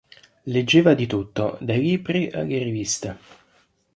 Leggeva di tutto, dai libri alle riviste.